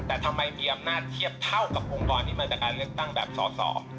แต่ทำไมมีอำนาจเทียบเท่ากับองค์กรที่มาจากการเลือกตั้งแบบสอสอ